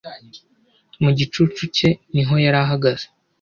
mu gicucu cye niho yari ahagaze